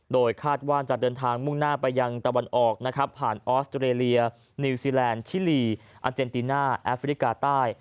โดยคาดว่าจะเดินทางมุ่งหน้าไปยังตะวันออกนะครับผ่านออสเตรเลียนิวซีแลนด์ชิลีอาเจนติน่าแอฟริกาใต้